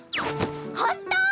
ほんと？